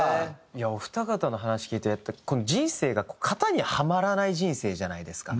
いやお二方の話聞いてて人生が型にハマらない人生じゃないですか。